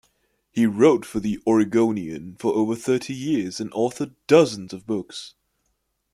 He wrote for "The Oregonian" for over thirty years, and authored dozens of books.